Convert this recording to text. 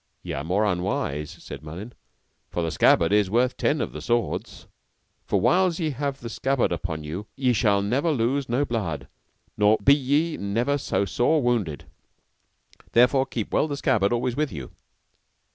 Ye are more unwise, said Merlin, for the scabbard is worth ten of the swords, for whiles ye have the scabbard upon you, ye shall never lose no blood, be ye never so sore wounded; therefore keep well the scabbard always with you.